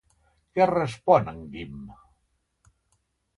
Què respon en Guim?